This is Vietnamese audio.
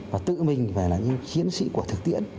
và tự mình phải là những chiến sĩ của thực tiễn